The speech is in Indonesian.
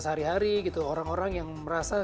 sehari hari gitu orang orang yang merasa